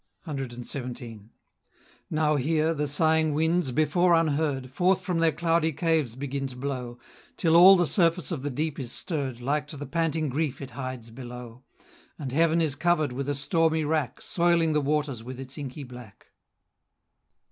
CXVII. Now here, the sighing winds, before unheard, Forth from their cloudy caves begin to blow, Till all the surface of the deep is stirr'd, Like to the panting grief it hides below; And heaven is cover'd with a stormy rack, Soiling the waters with its inky black.